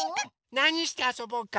なにしてあそぼうか？